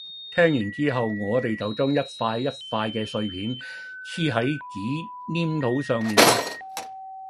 講完之後我哋就將一塊一塊嘅碎片黐喺紙黏土上面嘞